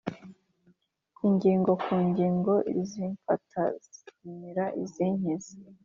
ingingo ku ngingo, izimfata zimira izinkiza,